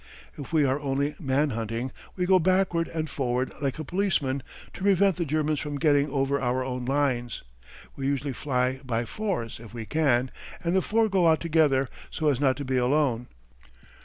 If we are only man hunting, we go backward and forward like a policeman to prevent the Germans from getting over our own lines. We usually fly by fours, if we can, and the four go out together, so as not to be alone.